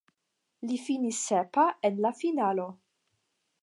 Li finis sepa en la finalo.